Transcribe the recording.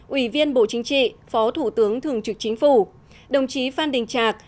ủy viên bộ chính trị phó thủ tướng thường trực chính phủ đồng chí phan đình trạc